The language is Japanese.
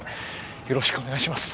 よろしくお願いします。